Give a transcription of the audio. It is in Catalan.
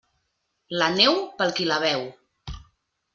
La neu, pel qui la veu.